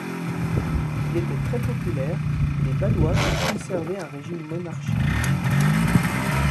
Il était très populaire et les Badois voulaient conserver un régime monarchique.